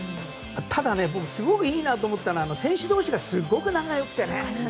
ただ、僕がすごくいいなと思ったのは、選手同士がすごく仲が良くて。